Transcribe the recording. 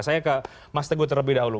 saya ke mas teguh terlebih dahulu